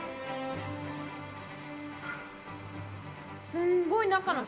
すんごい中の。え！